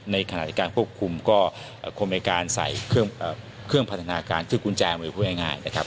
ในขณะการควบคุมก็คงมีการใส่เครื่องพันธนาการคือกุญแจมือพูดง่ายนะครับ